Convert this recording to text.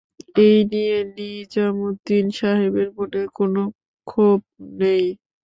এই নিয়ে নিজামুদ্দিন সাহেবের মনে কোনো ক্ষোভ নেই।